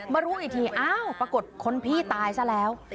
รู้อีกทีอ้าวปรากฏคนพี่ตายซะแล้ว